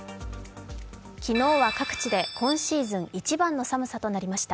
昨日は各地で今シーズン一番の寒さとなりました。